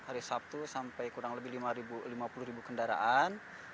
hari sabtu sampai kurang lebih lima puluh ribu kendaraan